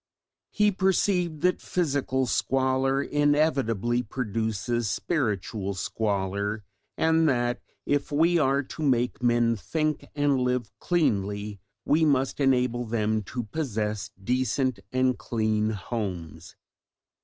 He perceived that physical squalor inevitably produces spiritual squalor, and that if we are to make men think and live cleanly we must enable them to possess decent and clean homes.